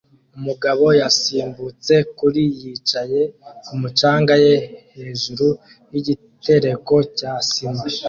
Umugabo yasimbutse kuri yicaye kumucanga ye hejuru yigitereko cya sima